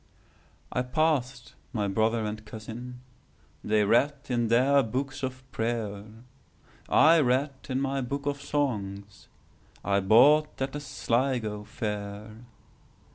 I passed my brother and cousin:They read in their books of prayer;I read in my book of songsI bought at the Sligo fair.